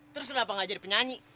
terus kenapa gak jadi penyanyi